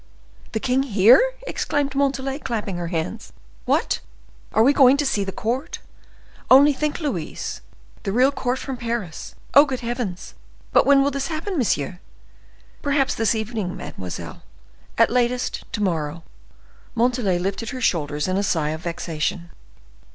"The king here!" exclaimed Montalais, clapping her hands. "What! are we going to see the court? Only think, Louise—the real court from Paris! Oh, good heavens! But when will this happen, monsieur?" "Perhaps this evening, mademoiselle; at latest, to morrow." Montalais lifted her shoulders in a sigh of vexation.